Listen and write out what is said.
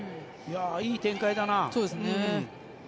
いい展開だな。